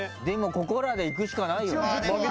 でもここらで行くしかないよね。